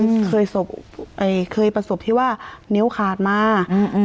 เคยสบเอ่อเคยประสบที่ว่านิ้วขาดมาอืม